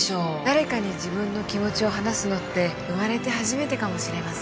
誰かに自分の気持ちを話すのって生まれて初めてかもしれません。